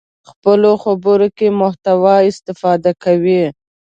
خپلو خبرو کې محتوا استفاده کوي.